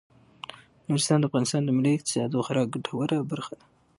نورستان د افغانستان د ملي اقتصاد یوه خورا ګټوره برخه ده.